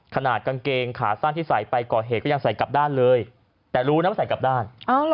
กางเกงขาสั้นที่ใส่ไปก่อเหตุก็ยังใส่กลับด้านเลยแต่รู้นะว่าใส่กลับด้าน